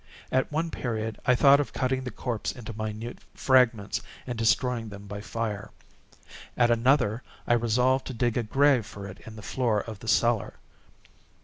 At one period I thought of cutting the corpse into minute fragments, and destroying them by fire. At another, I resolved to dig a grave for it in the floor of the cellar.